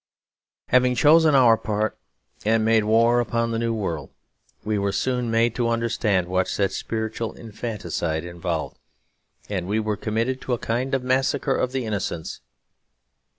Having chosen our part and made war upon the new world, we were soon made to understand what such spiritual infanticide involved; and were committed to a kind of Massacre of the Innocents.